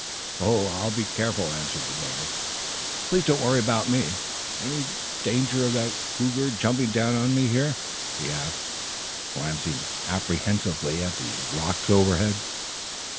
"I'll be careful," answered the boy. "Please don't worry about me. Any danger of that cougar jumping down on me here?" he asked, glancing apprehensively at the rocks overhead.